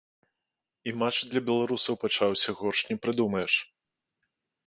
І матч для беларусаў пачаўся горш не прыдумаеш.